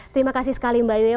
terima kasih sekali mbak ayu ya